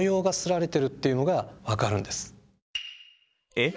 えっ？